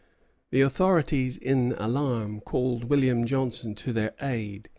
The authorities in alarm called William Johnson to their aid.